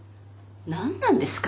なんなんですか？